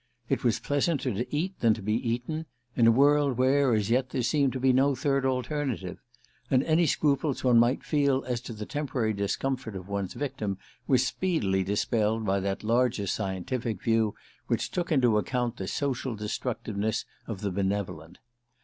It was pleasanter to eat than to be eaten, in a world where, as yet, there seemed to be no third alternative; and any scruples one might feel as to the temporary discomfort of one's victim were speedily dispelled by that larger scientific view which took into account the social destructiveness of the benevolent.